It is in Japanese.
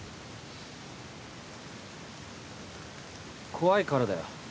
怖いからだよ。